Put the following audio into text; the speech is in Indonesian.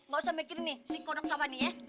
gak usah mikirin nih si kodok sama nih ya